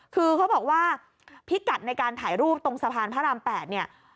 คือเขาบอกว่าพิกัดในการถ่ายรูปตรงสะพานพระราม๘เนี่ย